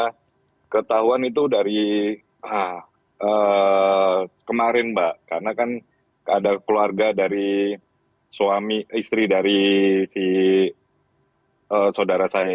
karena ketahuan itu dari kemarin mbak karena kan ada keluarga dari suami istri dari si saudara saya